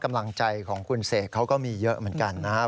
กำลังใจของคุณเสกเขาก็มีเยอะเหมือนกันนะครับ